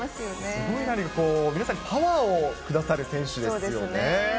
すごい何かこう、皆さん、パワーを下さる選手ですよね。